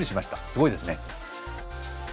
すごいですね。